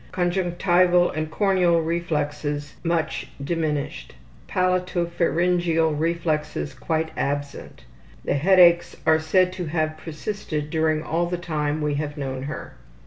Conjunctival and corneal reflexes much diminished. Palatopharyngeal reflexes quite absent. The headaches are said to have persisted during all the time we have known her.